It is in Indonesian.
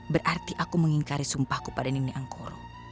berarti aku mengingkari sumpahku pada nini angkoro